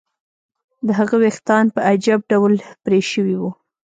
د هغه ویښتان په عجیب ډول پرې شوي وو